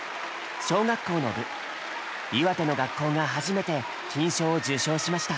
小学校の部岩手の学校が初めて金賞を受賞しました。